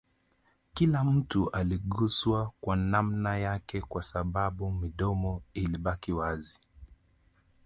Kila mtu aliguswa kwa namna yake Kwa sababu midomo ilibaki wazi